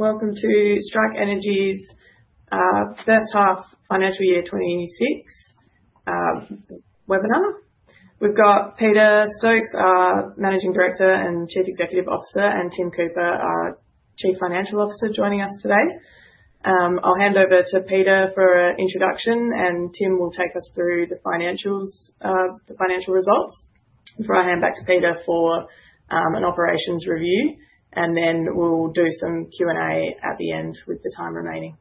Welcome to Strike Energy's, first half financial year 2026, webinar. We've got Peter Stokes, our Managing Director and Chief Executive Officer, and Tim Cooper, our Chief Financial Officer, joining us today. I'll hand over to Peter for an introduction, and Tim will take us through the financials, the financial results, before I hand back to Peter for an operations review. Then we'll do some Q&A at the end with the time remaining.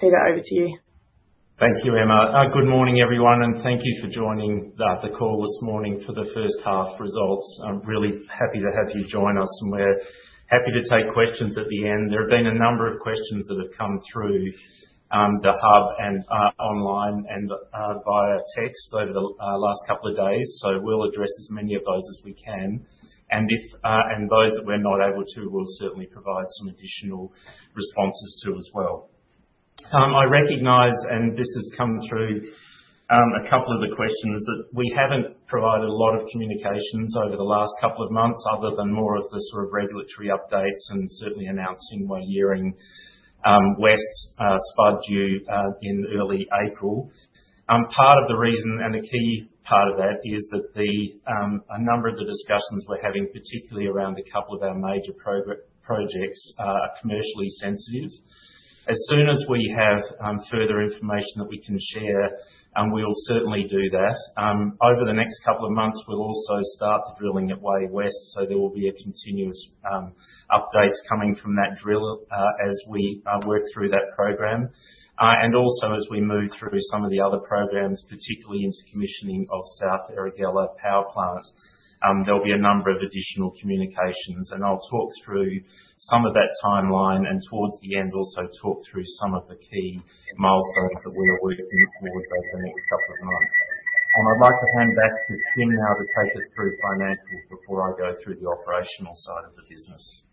Peter, over to you. Thank you, Emma. Good morning, everyone, and thank you for joining the call this morning for the first half results. I'm really happy to have you join us, and we're happy to take questions at the end. There have been a number of questions that have come through the hub, and online, and via text over the last couple of days, so we'll address as many of those as we can. If and those that we're not able to, we'll certainly provide some additional responses to as well. I recognize, and this has come through a couple of the questions, that we haven't provided a lot of communications over the last couple of months, other than more of the sort of regulatory updates and certainly announcing Walyering West spud due in early April. Part of the reason, and the key part of that, is that the a number of the discussions we're having, particularly around a couple of our major projects, are commercially sensitive. As soon as we have further information that we can share, we'll certainly do that. Over the next couple of months, we'll also start the drilling at Walyering West, so there will be a continuous updates coming from that drill as we work through that program. Also, as we move through some of the other programs, particularly into commissioning of South Erregulla Power Plant, there'll be a number of additional communications. I'll talk through some of that timeline, and towards the end, also talk through some of the key milestones that we're working towards over the next couple of months. I'd like to hand back to Tim now, to take us through financials before I go through the operational side of the business.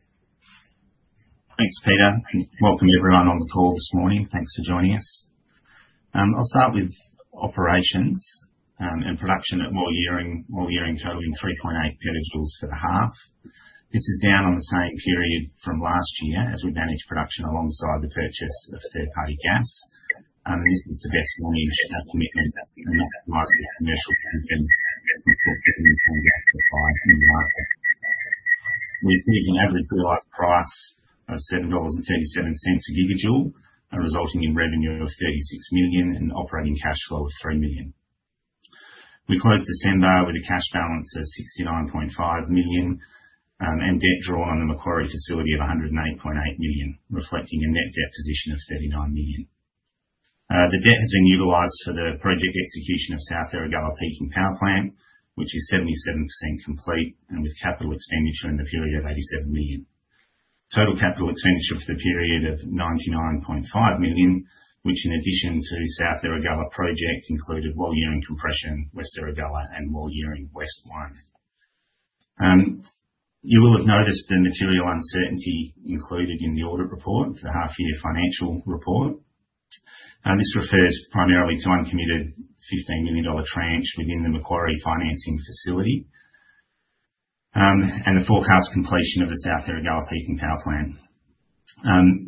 Thanks, Peter. Welcome, everyone, on the call this morning. Thanks for joining us. I'll start with operations and production at Walyering. Walyering totaling 3.8 petajoules for the half. This is down on the same period from last year, as we managed production alongside the purchase of third-party gas. This is the best way to get our commitment, mostly a commercial commitment before getting it back to the client in March. We've reached an average realized price of 7.37 dollars a gigajoule, resulting in revenue of 36 million and operating cash flow of 3 million. We closed December with a cash balance of 69.5 million, debt drawn on the Macquarie facility of 108.8 million, reflecting a net debt position of 39 million. The debt has been utilized for the project execution of South Erregulla Peaking Power Plant, which is 77% complete, and with capital expenditure in the period of 87 million. Total capital expenditure for the period of 99.5 million, which in addition to South Erregulla project, included Walyering Compression, West Erregulla, and Walyering West-1. You will have noticed the material uncertainty included in the audit report for the half-year financial report. This refers primarily to uncommitted 15 million dollar tranche within the Macquarie Financing Facility, and the forecast completion of the South Erregulla Peaking Power Plant.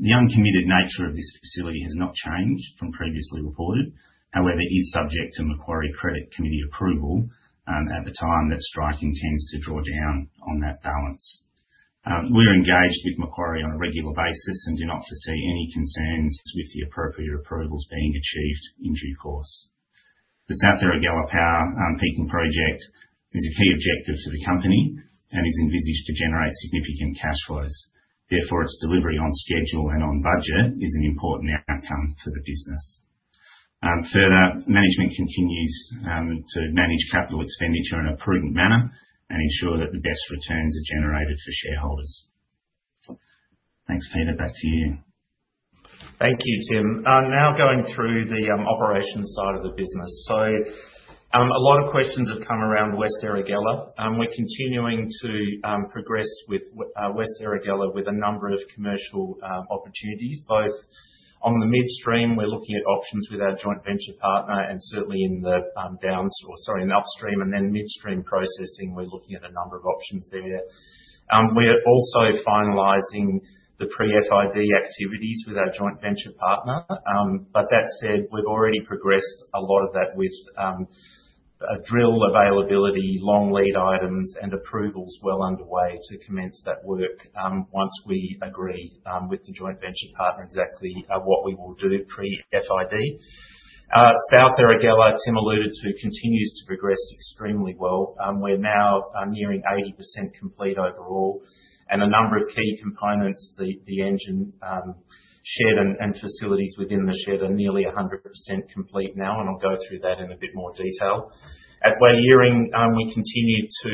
The uncommitted nature of this facility has not changed from previously reported. It is subject to Macquarie Credit Committee approval at the time that Strike intends to draw down on that balance. We are engaged with Macquarie on a regular basis and do not foresee any concerns with the appropriate approvals being achieved in due course. The South Erregulla Power Peaking Project is a key objective to the company and is envisaged to generate significant cash flows. Therefore, its delivery on schedule and on budget is an important outcome for the business. Further, management continues to manage capital expenditure in a prudent manner and ensure that the best returns are generated for shareholders. Thanks, Peter. Back to you. Thank you, Tim. Now going through the operations side of the business. A lot of questions have come around West Erregulla. We're continuing to progress with West Erregulla, with a number of commercial opportunities, both on the midstream, we're looking at options with our joint venture partner, and certainly in the upstream, and then midstream processing, we're looking at a number of options there. We are also finalizing the pre-FID activities with our joint venture partner. That said, we've already progressed a lot of that with drill availability, long lead items, and approvals well underway to commence that work, once we agree with the joint venture partner, exactly what we will do pre-FID. South Erregulla, Tim alluded to, continues to progress extremely well. We're now nearing 80% complete overall. A number of key components, the engine shed and facilities within the shed, are nearly 100% complete now, and I'll go through that in a bit more detail. At Walyering, we continued to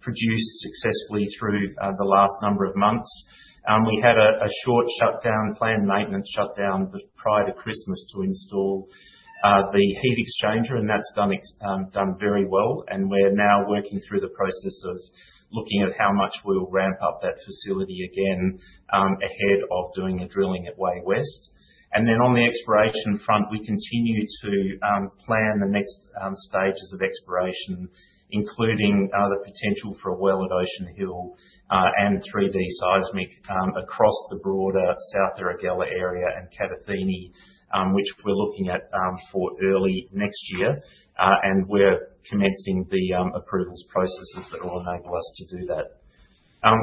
produce successfully through the last number of months. We had a short shutdown, planned maintenance shutdown, but prior to Christmas to install the heat exchanger, and that's done very well, and we're now working through the process of looking at how much we'll ramp up that facility again ahead of doing the drilling at Walyering West. On the exploration front, we continue to plan the next stages of exploration, including the potential for a well at Ocean Hill and 3D seismic across the broader South Erregulla area and Catathini, which we're looking at for early next year. We're commencing the approvals processes that will enable us to do that.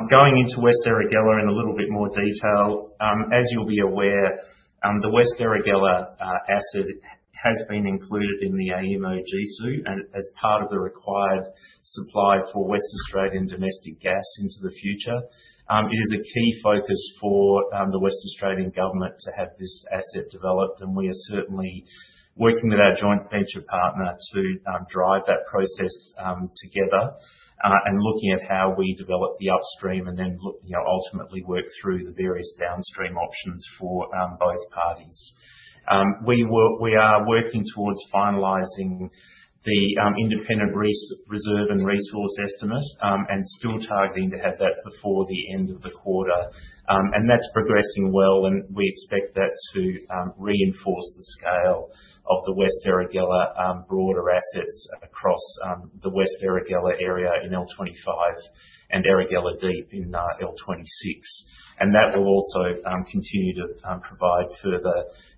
Going into West Erregulla in a little bit more detail. As you'll be aware, the West Erregulla asset has been included in the AEMO GCU, and as part of the required supply for West Australian domestic gas into the future. It is a key focus for the West Australian government to have this asset developed, and we are certainly working with our joint venture partner to drive that process together. Looking at how we develop the upstream, you know, ultimately work through the various downstream options for both parties. We are working towards finalizing the independent reserve and resource estimate and still targeting to have that before the end of the quarter. That's progressing well, and we expect that to reinforce the scale of the West Erregulla broader assets across the West Erregulla area in L25, and Erregulla Deep in L26. That will also continue to provide further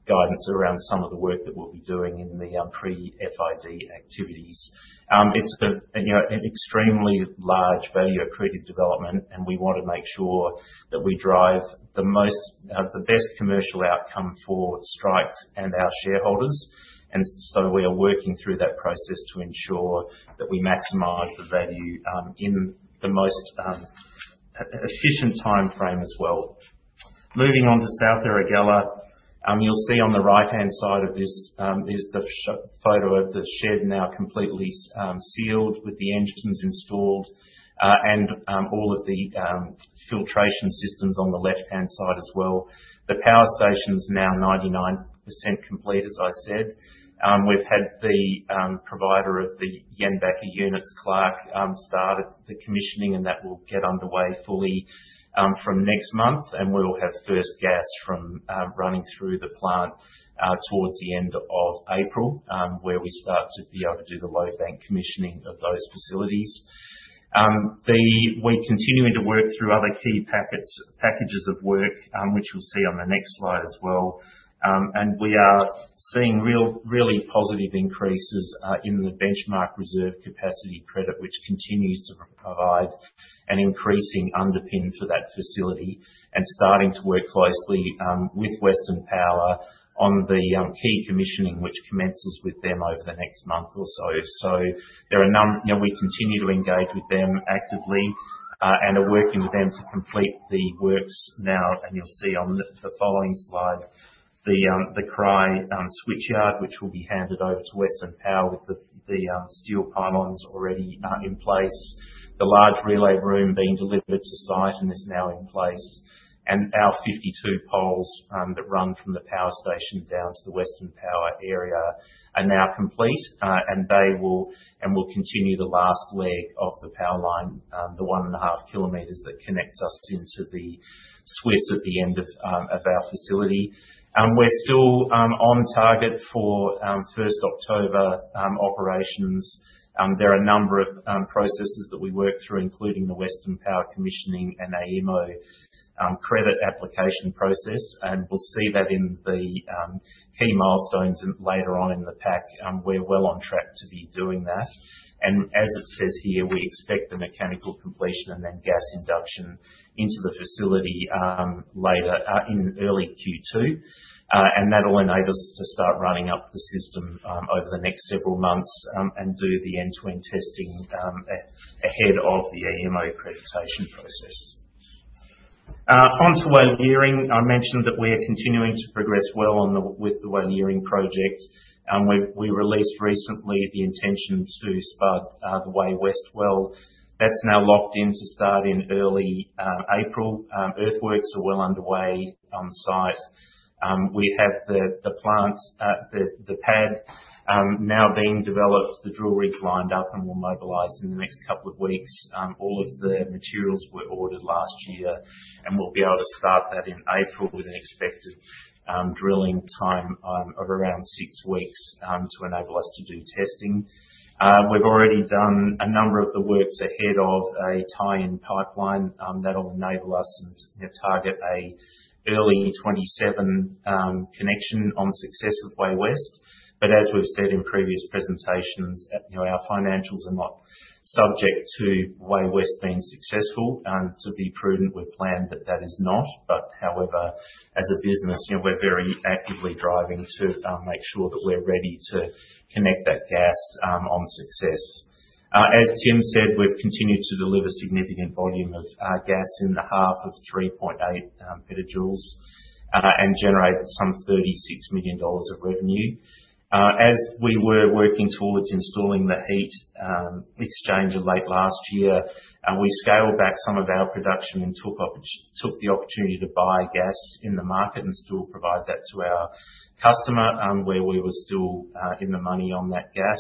guidance around some of the work that we'll be doing in the pre-FID activities. It's a, you know, an extremely large value accretive development, and we want to make sure that we drive the most, the best commercial outcome for Strike and our shareholders. We are working through that process to ensure that we maximize the value in the most efficient timeframe as well. Moving on to South Erregulla, you'll see on the right-hand side of this is the photo of the shed now completely sealed, with the engines installed, and all of the filtration systems on the left-hand side as well. The power station's now 99% complete, as I said. We've had the provider of the Jenbacher units, Clark, started the commissioning, and that will get underway fully from next month. We'll have first gas from running through the plant towards the end of April, where we start to be able to do the load bank commissioning of those facilities. We're continuing to work through other key packets, packages of work, which you'll see on the next slide as well. We are seeing really positive increases in the benchmark reserve capacity credit, which continues to provide an increasing underpin for that facility. Starting to work closely with Western Power on the key commissioning, which commences with them over the next month or so. There are, you know, we continue to engage with them actively and are working with them to complete the works now. You'll see on the following slide, the Cry switchyard, which will be handed over to Western Power, with the steel pylons already in place. The large relay room being delivered to site and is now in place. Our 52 poles that run from the power station down to the Western Power area are now complete. We'll continue the last leg of the power line, the 1.5 kilometers that connects us into the switch at the end of our facility. We're still on target for 1st October operations. There are a number of processes that we work through, including the Western Power commissioning and AEMO credit application process, and we'll see that in the key milestones later on in the pack. We're well on track to be doing that. As it says here, we expect the mechanical completion and then gas induction into the facility later in early Q2. That will enable us to start running up the system over the next several months and do the end-to-end testing ahead of the AEMO accreditation process. Onto Walyering. I mentioned that we are continuing to progress well with the Walyering project. We released recently the intention to spud the Walyering West well. That's now locked in to start in early April. Earthworks are well underway on site. We have the pad now being developed, the drill rigs lined up, and will mobilize in the next couple of weeks. All of the materials were ordered last year, and we'll be able to start that in April, with an expected drilling time of around six weeks to enable us to do testing. We've already done a number of the works ahead of a tie-in pipeline. That'll enable us to, you know, target an early 2027 connection on success of Walyering West. As we've said in previous presentations, you know, our financials are not subject to Walyering West being successful. To be prudent, we've planned that that is not. However, as a business, you know, we're very actively driving to make sure that we're ready to connect that gas on success. As Tim said, we've continued to deliver significant volume of gas in the half of 3.8 petajoules and generated some 36 million dollars of revenue. As we were working towards installing the heat exchange late last year, we scaled back some of our production and took the opportunity to buy gas in the market, still provide that to our customer, where we were still in the money on that gas.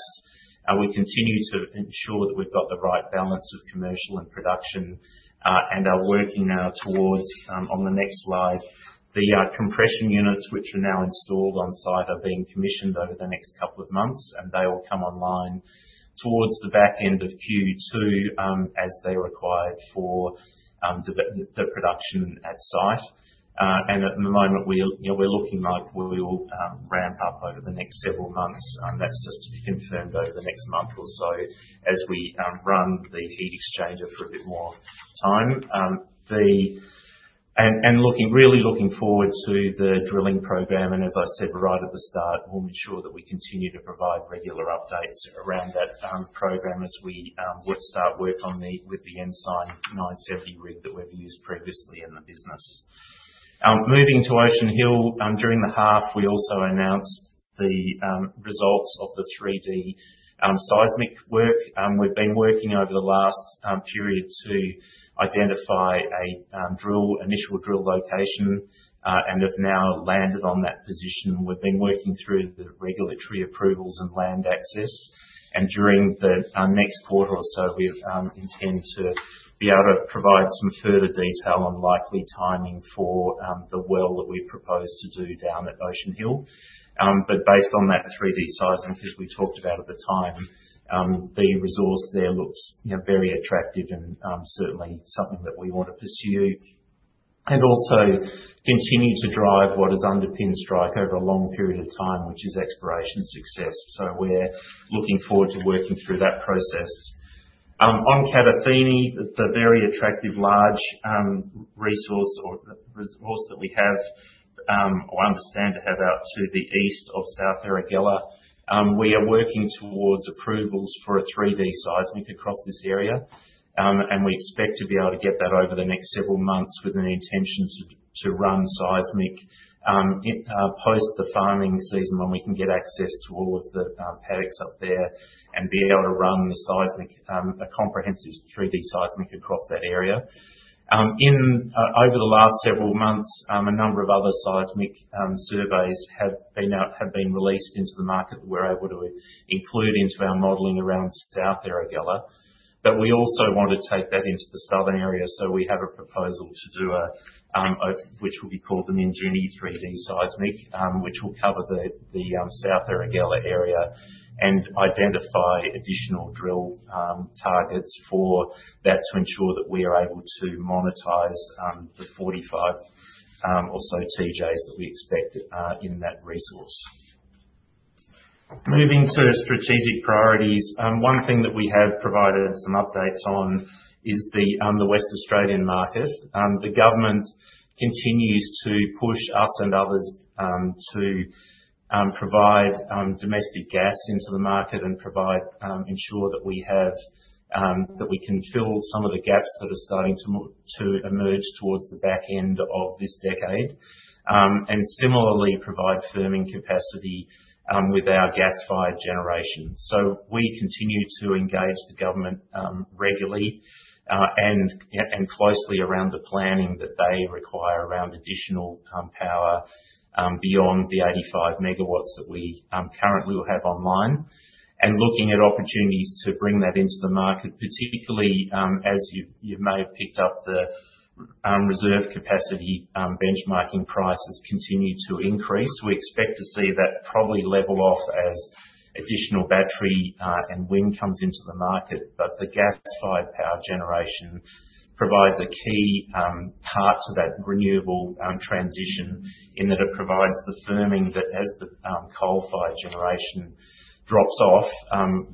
We continue to ensure that we've got the right balance of commercial and production, and are working now towards... On the next slide, the compression units, which are now installed on site, are being commissioned over the next couple of months, and they will come online towards the back end of Q2, as they're required for the production at site. At the moment, we are, you know, we're looking like we will ramp up over the next several months. That's just to be confirmed over the next month or so as we run the heat exchanger for a bit more time. Looking, really looking forward to the drilling program. As I said right at the start, we'll ensure that we continue to provide regular updates around that program, as we start work on the with the Ensign 970 rig that we've used previously in the business. Moving to Ocean Hill. During the half, we also announced the results of the 3D seismic work. We've been working over the last period to identify a drill, initial drill location, and have now landed on that position. We've been working through the regulatory approvals and land access, during the next quarter or so, we intend to be able to provide some further detail on likely timing for the well that we propose to do down at Ocean Hill. But based on that 3D seismicity we talked about at the time, the resource there looks, you know, very attractive and certainly something that we want to pursue. Also continue to drive what has underpinned Strike over a long period of time, which is exploration success. We're looking forward to working through that process. On Catathini, the very attractive large resource or the resource that we have or understand to have out to the east of South Erregulla. We are working towards approvals for a 3D seismic across this area. We expect to be able to get that over the next several months, with an intention to run seismic, post the farming season, when we can get access to all of the paddocks up there, and be able to run the seismic, a comprehensive 3D seismic across that area. Over the last several months, a number of other seismic surveys have been out, have been released into the market, that we're able to include into our modeling around South Erregulla. We also want to take that into the southern area, so we have a proposal to do a which will be called the Minjinie 3D seismic. Which will cover the South Erregulla area, and identify additional drill targets for that, to ensure that we are able to monetize the 45 or so TJs that we expect in that resource. Moving to strategic priorities. One thing that we have provided some updates on, is the West Australian market. The government continues to push us and others to provide domestic gas into the market, and provide ensure that we have that we can fill some of the gaps that are starting to emerge towards the back end of this decade. Similarly, provide firming capacity with our gas-fired generation. We continue to engage the government regularly and closely around the planning that they require around additional power beyond the 85 megawatts that we currently will have online. Looking at opportunities to bring that into the market, particularly as you may have picked up the Reserve Capacity benchmarking prices continue to increase. We expect to see that probably level off as additional battery and wind comes into the market. The gas-fired power generation provides a key part to that renewable transition, in that it provides the firming that as the coal-fired generation drops off,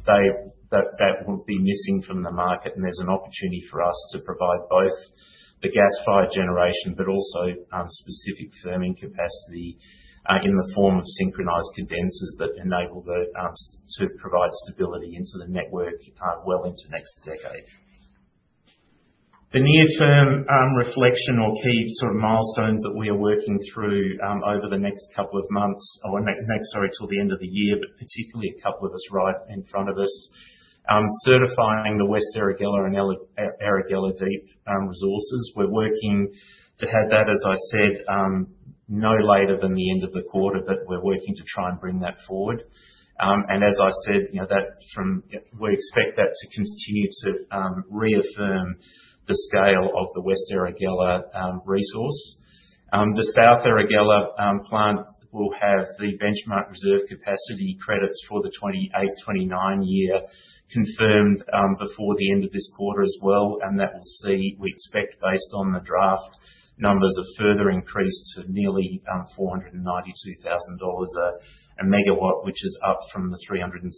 they that will be missing from the market. There's an opportunity for us to provide both the gas-fired generation, but also specific firming capacity, in the form of synchronous condensers, that enable to provide stability into the network well into next decade. The near term reflection or key sort of milestones that we are working through over the next couple of months, or next, sorry, till the end of the year, but particularly a couple of us right in front of us. Certifying the West Erregulla and Erregulla Deep resources. We're working to have that, as I said, no later than the end of the quarter, but we're working to try and bring that forward. As I said, you know, that from, we expect that to continue to reaffirm the scale of the West Erregulla resource. The South Erregulla plant will have the benchmark Reserve Capacity Credits for the 2028, 2029 year confirmed before the end of this quarter as well. That will see, we expect, based on the draft numbers, a further increase to nearly 492,000 dollars a megawatt, which is up from the 360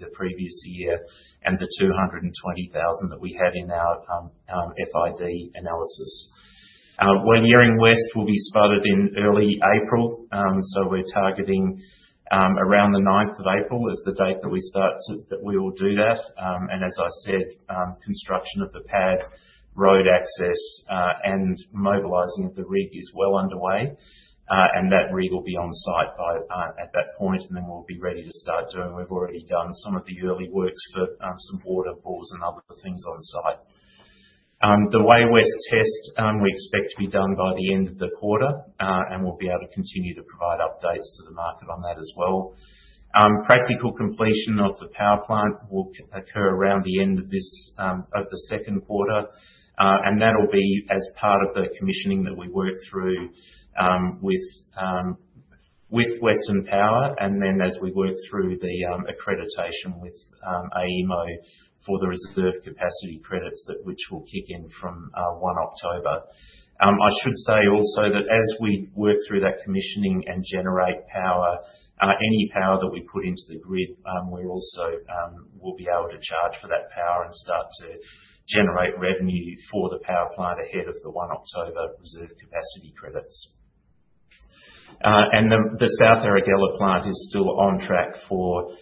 the previous year, and the 220,000 that we had in our FID analysis. Walyering West will be spudded in early April. So we're targeting around April 9 as the date that we will do that. And as I said, construction of the pad, road access, and mobilizing of the rig is well underway. That rig will be on site by at that point, and then we'll be ready to start. We've already done some of the early works for some waterfalls and other things on site. The Walyering West test, we expect to be done by the end of the quarter. We'll be able to continue to provide updates to the market on that as well. Practical completion of the power plant will occur around the end of this of the Q2. That'll be as part of the commissioning that we work through with Western Power, and then as we work through the accreditation with AEMO for the reserve capacity credits that, which will kick in from 1 October. I should say also, that as we work through that commissioning and generate power, any power that we put into the grid, we also will be able to charge for that power, and start to generate revenue for the power plant ahead of the 1 October Reserve Capacity Credits. The South Erregulla plant is still on track for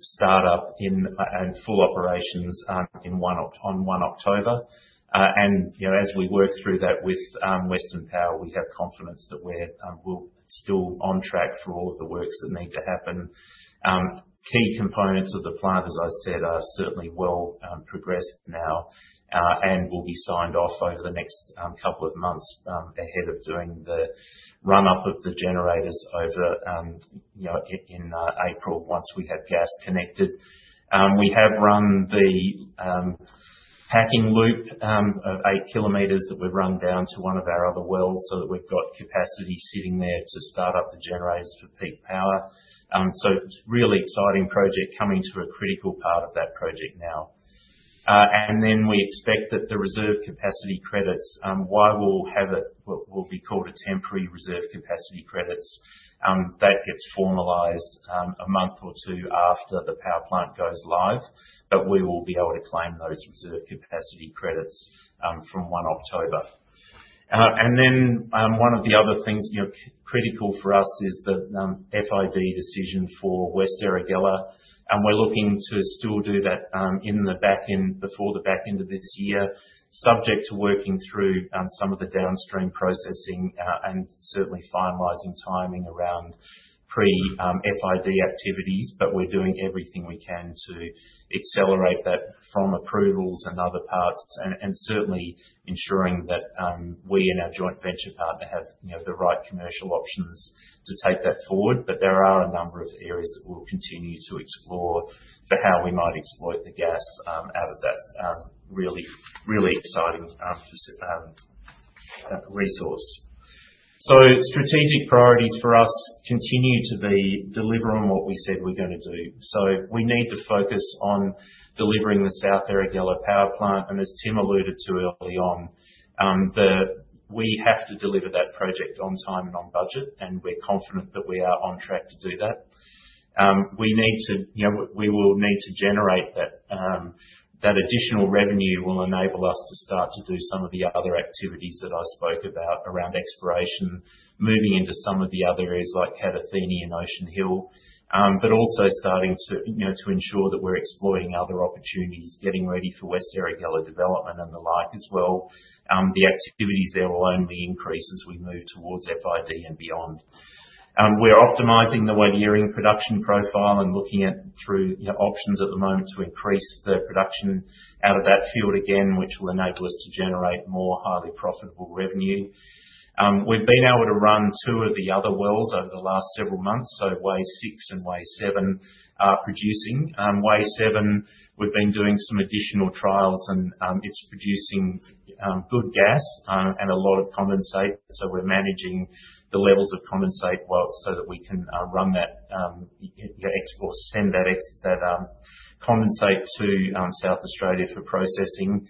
start-up in and full operations on 1 October. You know, as we work through that with Western Power, we have confidence that we're still on track for all of the works that need to happen. Key components of the plant, as I said, are certainly well progressed now and will be signed off over the next couple of months ahead of doing the run-up of the generators over, you know, in April, once we have gas connected. We have run the pigging loop of eight kilometers that we've run down to one of our other wells, so that we've got capacity sitting there to start up the generators for peak power. So it's a really exciting project, coming to a critical part of that project now. Then we expect that the Reserve Capacity Credits, while we'll have it, what will be called a Temporary Reserve Capacity Credits, that gets formalized a month or two after the power plant goes live. We will be able to claim those Reserve Capacity Credits, from 1 October. One of the other things, you know, critical for us is the FID decision for West Erregulla, and we're looking to still do that in the back end, before the back end of this year, subject to working through some of the downstream processing, and certainly finalizing timing around pre FID activities. We're doing everything we can to accelerate that from approvals and other parts, and certainly ensuring that we and our joint venture partner have, you know, the right commercial options to take that forward. There are a number of areas that we'll continue to explore for how we might exploit the gas out of that really, really exciting resource. Strategic priorities for us continue to be deliver on what we said we're gonna do. We need to focus on delivering the South Erregulla Power Plant. As Tim alluded to early on, we have to deliver that project on time and on budget, and we're confident that we are on track to do that. We need to, you know, we will need to generate that additional revenue will enable us to start to do some of the other activities that I spoke about around exploration, moving into some of the other areas like Catatheni and Ocean Hill. Starting to, you know, to ensure that we're exploring other opportunities, getting ready for West Erregulla development and the like, as well. The activities there will only increase as we move towards FID and beyond. We're optimizing the Walyering production profile and looking at, through, you know, options at the moment to increase the production out of that field again, which will enable us to generate more highly profitable revenue. We've been able to run 2 of the other wells over the last several months. Walyering-6 and Walyering-7 are producing. Walyering-7, we've been doing some additional trials. It's producing good gas and a lot of condensate. We're managing the levels of condensate well, so that we can run that export, send that condensate to South Australia for processing.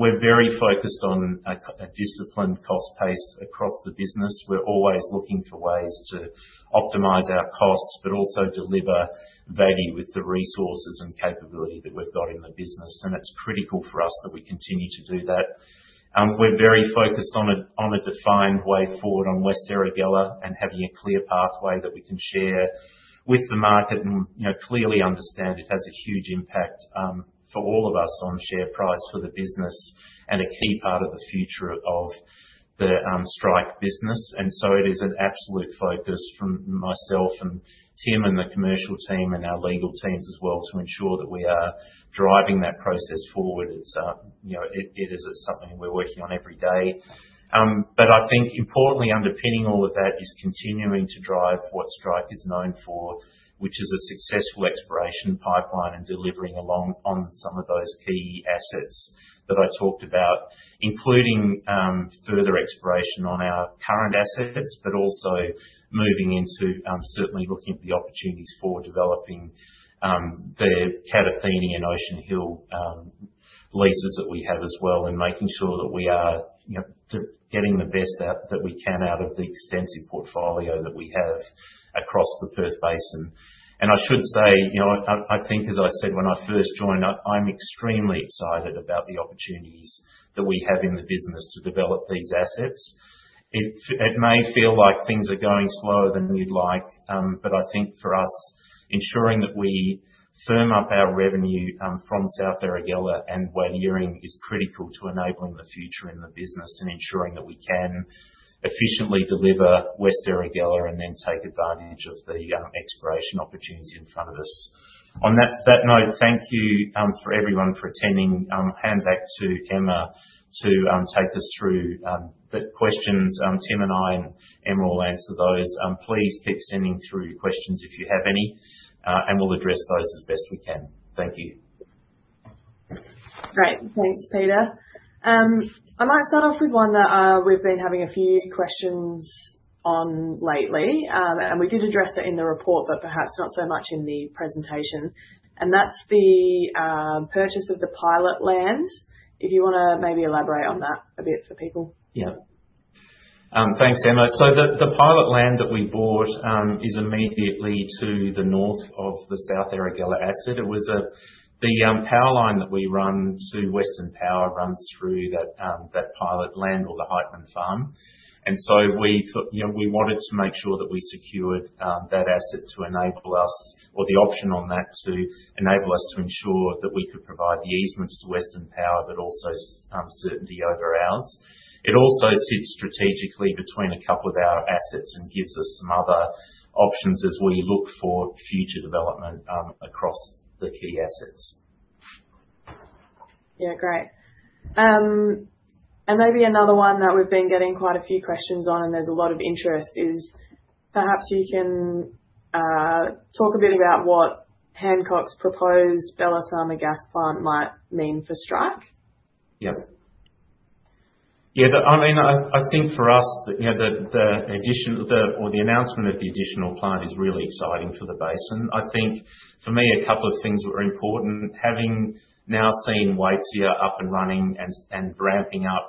We're very focused on a disciplined cost pace across the business. We're always looking for ways to optimize our costs, but also deliver value with the resources and capability that we've got in the business, and it's critical for us that we continue to do that. We're very focused on a defined way forward on West Erregulla, and having a clear pathway that we can share with the market. You know, clearly understand it has a huge impact for all of us on share price for the business, and a key part of the future of the Strike business. It is an absolute focus from myself, and Tim, and the commercial team, and our legal teams as well, to ensure that we are driving that process forward. It's, you know, it is something we're working on every day. I think importantly, underpinning all of that is continuing to drive what Strike is known for, which is a successful exploration pipeline, and delivering along on some of those key assets that I talked about. Including, further exploration on our current assets, also moving into, certainly looking at the opportunities for developing, the Catatheni and Ocean Hill leases that we have as well, and making sure that we are, you know, getting the best out, that we can out of the extensive portfolio that we have across the Perth Basin. I should say, you know, I think as I said when I first joined, I'm extremely excited about the opportunities that we have in the business to develop these assets. It may feel like things are going slower than we'd like, but I think for us, ensuring that we firm up our revenue from South Erregulla and Walyering, is critical to enabling the future in the business, and ensuring that we can efficiently deliver West Erregulla, and then take advantage of the exploration opportunity in front of us. On that note, thank you for everyone for attending. Hand back to Emma to take us through the questions. Tim and I, and Emma will answer those. Please keep sending through your questions if you have any, and we'll address those as best we can. Thank you. Great. Thanks, Peter. I might start off with one that, we've been having a few questions on lately. We did address it in the report, but perhaps not so much in the presentation, and that's the purchase of the pilot land. If you wanna maybe elaborate on that a bit for people? Thanks, Emma. The pilot land that we bought is immediately to the north of the South Erregulla asset. It was the power line that we run to Western Power runs through that pilot land or the Heitman Farm. We thought, you know, we wanted to make sure that we secured that asset to enable us, or the option on that, to enable us to ensure that we could provide the easements to Western Power, but also certainty over ours. It also sits strategically between a couple of our assets and gives us some other options as we look for future development across the key assets. Yeah, great. Maybe another one that we've been getting quite a few questions on, and there's a lot of interest, is perhaps you can talk a bit about what Hancock's proposed Beleleema gas plant might mean for Strike? Yep. Yeah, I mean, I think for us, you know, the announcement of the additional plant is really exciting for the basin. I think for me, a couple of things were important. Having now seen Waitsia up and running and ramping up,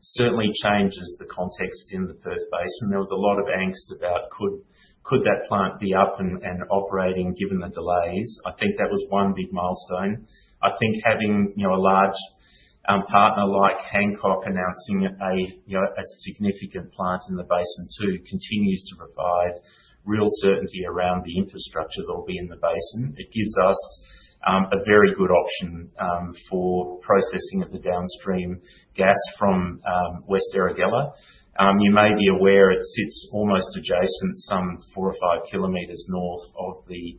certainly changes the context in the Perth Basin. There was a lot of angst about could that plant be up and operating, given the delays? I think that was one big milestone. I think having, you know, a large partner like Hancock announcing, you know, a significant plant in the basin, too, continues to provide real certainty around the infrastructure that will be in the basin. It gives us a very good option for processing of the downstream gas from West Erregulla. You may be aware, it sits almost adjacent, some 4 or 5 kilometers north of the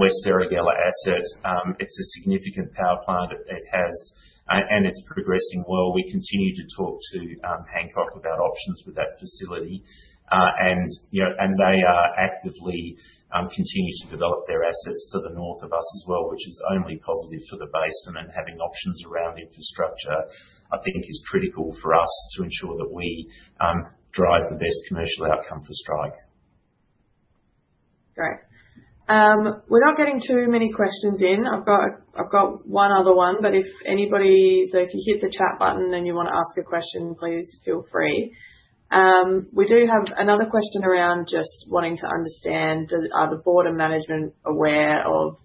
West Erregulla asset. It's a significant power plant. It's progressing well. We continue to talk to Hancock about options with that facility. You know, and they are actively continuing to develop their assets to the north of us as well, which is only positive for the basin. Having options around infrastructure, I think is critical for us to ensure that we drive the best commercial outcome for Strike. Great. We're not getting too many questions in. I've got one other one, but if anybody... If you hit the chat button, and you wanna ask a question, please feel free. We do have another question around just wanting to understand, are the board and management aware of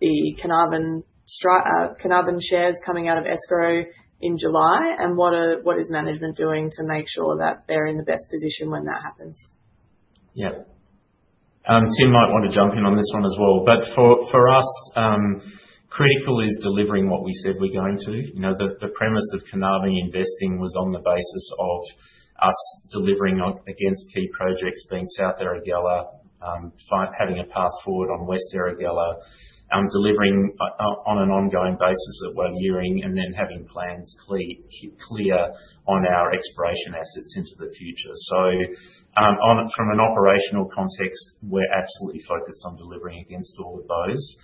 the Carnarvon shares coming out of escrow in July? What is management doing to make sure that they're in the best position when that happens? Yep. Tim might want to jump in on this one as well. For us, critical is delivering what we said we're going to. You know, the premise of Carnarvon investing was on the basis of us delivering on, against key projects, being South Erregulla, having a path forward on West Erregulla. Delivering on an ongoing basis at Walyering, having plans clear on our exploration assets into the future. From an operational context, we're absolutely focused on delivering against all of those.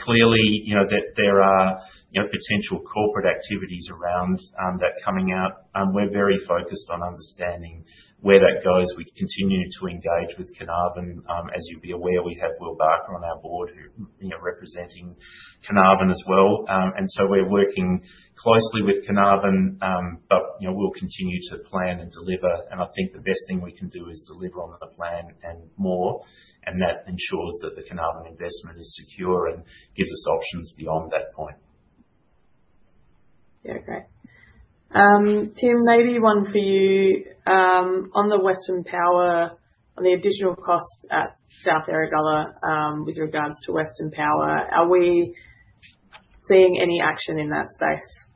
Clearly, you know, there are, you know, potential corporate activities around that coming out. We're very focused on understanding where that goes. We continue to engage with Carnarvon. As you'd be aware, we have Will Barker on our board, who, you know, representing Carnarvon as well. We're working closely with Carnarvon. You know, we'll continue to plan and deliver, and I think the best thing we can do is deliver on the plan and more, and that ensures that the Carnarvon investment is secure and gives us options beyond that point. Great. Tim, maybe one for you. On the Western Power, on the additional costs at South Erregulla, with regards to Western Power, are we seeing any action in that space?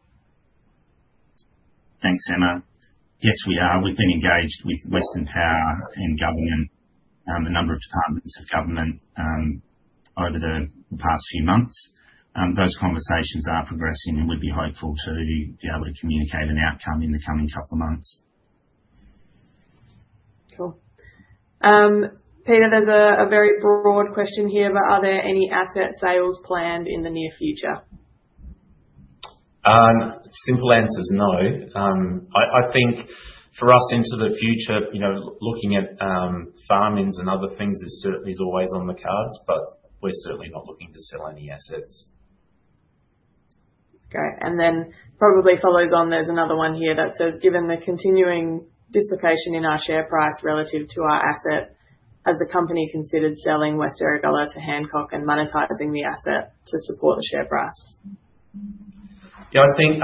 Thanks, Emma. Yes, we are. We've been engaged with Western Power and government, a number of departments of government, over the past few months. Those conversations are progressing, and we'd be hopeful to be able to communicate an outcome in the coming couple of months. Cool. Peter, there's a very broad question here. Are there any asset sales planned in the near future? Simple answer is no. I think for us into the future, you know, looking at farm-ins and other things is always on the cards. We're certainly not looking to sell any assets. Great, probably follows on, there's another one here that says: "Given the continuing dissipation in our share price relative to our asset, has the company considered selling West Erregulla to Hancock and monetizing the asset to support the share price? Yeah, I think,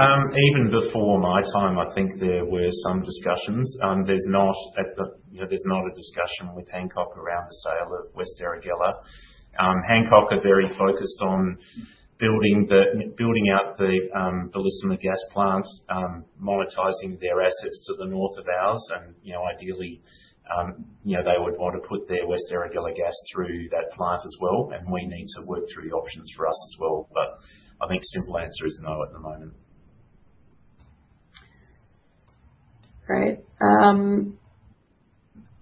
even before my time, I think there were some discussions. You know, there's not a discussion with Hancock around the sale of West Erregulla. Hancock are very focused on building out the Beleleema gas plant, monetizing their assets to the north of ours, and, you know, ideally, you know, they would want to put their West Erregulla gas through that plant as well, and we need to work through the options for us as well. I think simple answer is no at the moment. Great.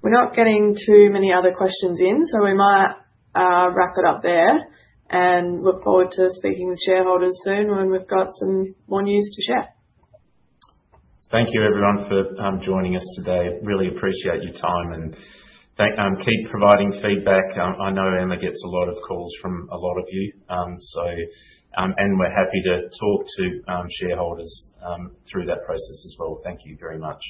We're not getting too many other questions in, so we might wrap it up there. Look forward to speaking with shareholders soon when we've got some more news to share. Thank you, everyone, for joining us today. Really appreciate your time, keep providing feedback. I know Emma gets a lot of calls from a lot of you, so we're happy to talk to shareholders through that process as well. Thank you very much.